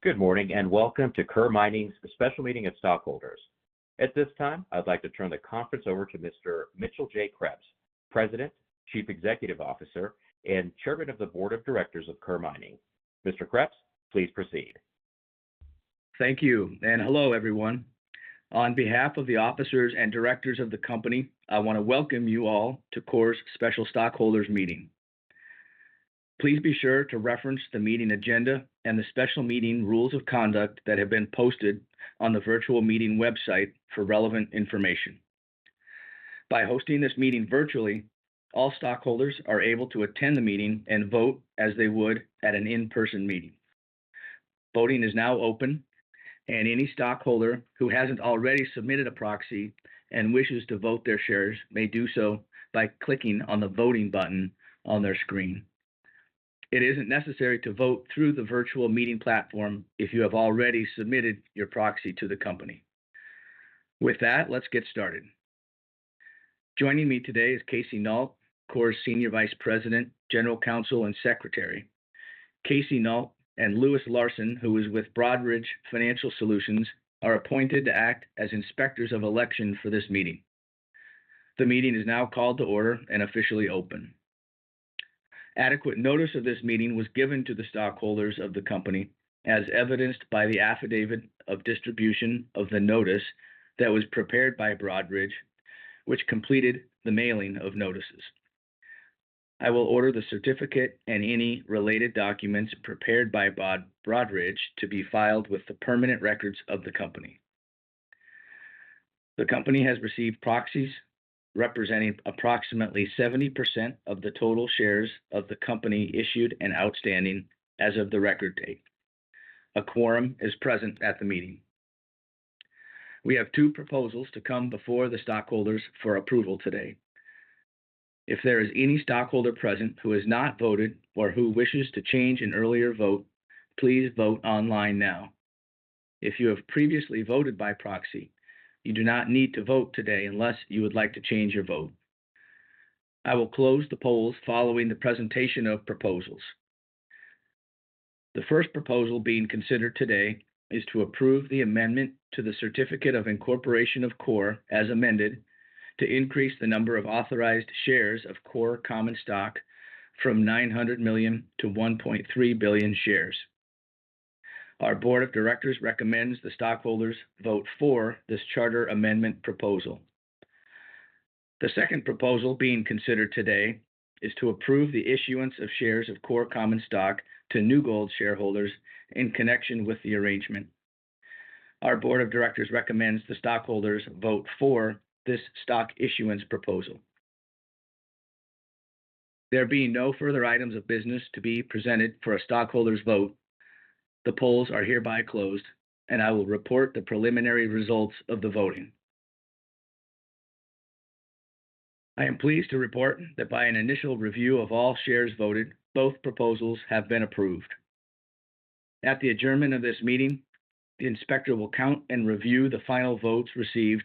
Good morning, and welcome to Coeur Mining's Special Meeting of Stockholders. At this time, I'd like to turn the conference over to Mr. Mitchell J. Krebs, President, Chief Executive Officer, and Chairman of the Board of Directors of Coeur Mining. Mr. Krebs, please proceed. Thank you, and hello, everyone. On behalf of the officers and directors of the company, I wanna welcome you all to Coeur's special stockholders meeting. Please be sure to reference the meeting agenda and the special meeting rules of conduct that have been posted on the virtual meeting website for relevant information. By hosting this meeting virtually, all stockholders are able to attend the meeting and vote as they would at an in-person meeting. Voting is now open, and any stockholder who hasn't already submitted a proxy and wishes to vote their shares may do so by clicking on the voting button on their screen. It isn't necessary to vote through the virtual meeting platform if you have already submitted your proxy to the company. With that, let's get started. Joining me today is Casey Nault, Coeur's Senior Vice President, General Counsel, and Secretary. Casey Nault and Louis Larsen, who is with Broadridge Financial Solutions, are appointed to act as inspectors of election for this meeting. The meeting is now called to order and officially open. Adequate notice of this meeting was given to the stockholders of the company, as evidenced by the Affidavit of Distribution of the notice that was prepared by Broadridge, which completed the mailing of notices. I will order the certificate and any related documents prepared by Broadridge to be filed with the permanent records of the company. The company has received proxies representing approximately 70% of the total shares of the company issued and outstanding as of the record date. A quorum is present at the meeting. We have two proposals to come before the stockholders for approval today. If there is any stockholder present who has not voted or who wishes to change an earlier vote, please vote online now. If you have previously voted by proxy, you do not need to vote today unless you would like to change your vote. I will close the polls following the presentation of proposals. The first proposal being considered today is to approve the amendment to the Certificate of Incorporation of Coeur, as amended, to increase the number of authorized shares of Coeur common stock from 900 million to 1.3 billion shares. Our board of directors recommends the stockholders vote for this charter amendment proposal. The second proposal being considered today is to approve the issuance of shares of Coeur common stock to New Gold shareholders in connection with the arrangement. Our board of directors recommends the stockholders vote for this stock issuance proposal. There being no further items of business to be presented for a stockholders' vote, the polls are hereby closed, and I will report the preliminary results of the voting. I am pleased to report that by an initial review of all shares voted, both proposals have been approved. At the adjournment of this meeting, the inspector will count and review the final votes received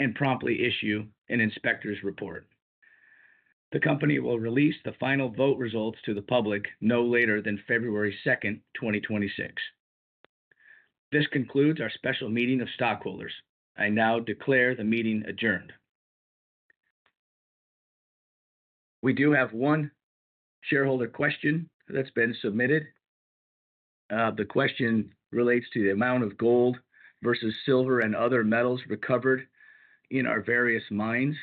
and promptly issue an inspector's report. The company will release the final vote results to the public no later than February 2nd, 2026. This concludes our special meeting of stockholders. I now declare the meeting adjourned. We do have one shareholder question that's been submitted. The question relates to the amount of gold versus silver and other metals recovered in our various mines.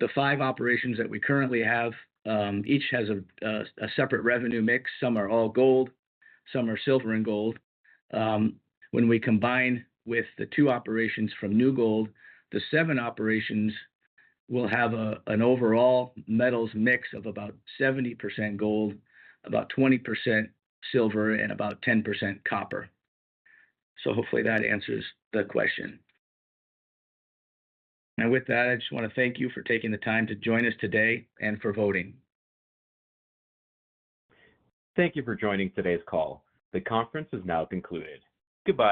The five operations that we currently have, each has a separate revenue mix. Some are all gold, some are silver and gold. When we combine with the two operations from New Gold, the seven operations will have an overall metals mix of about 70% gold, about 20% silver, and about 10% copper. So hopefully that answers the question. Now, with that, I just wanna thank you for taking the time to join us today and for voting. Thank you for joining today's call. The conference is now concluded. Goodbye.